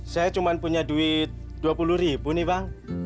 saya cuma punya duit dua puluh ribu nih bang